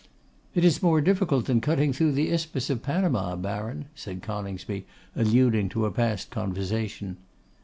'It is more difficult than cutting through the Isthmus of Panama, Baron,' said Coningsby, alluding to a past conversation.